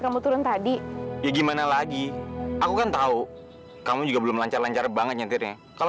kamu turun tadi ya gimana lagi aku kan tahu kamu juga belum lancar lancar banget nyentirnya kalau